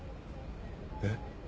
えっ？